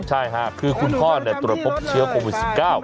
ใช่ค่ะคือคุณพ่อเนี่ยตรวจปกติเชื้อโควิด๑๙